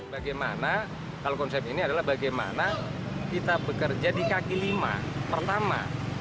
bagaimana kalau konsep ini adalah bagaimana kita bekerja di kaki lima pertama